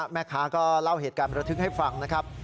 แม่ค้าก็เล่าเหตุการณ์ประทึกให้ฟังนะครับ